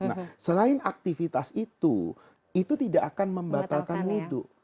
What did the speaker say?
nah selain aktivitas itu itu tidak akan membatalkan wudhu